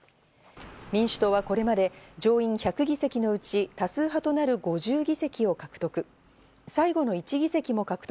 民主党はこれまで上院１００議席のうち、多数派となる５０議席を獲得。